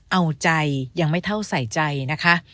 เอาใจยังไม่เท่าใส่ใจนะคะ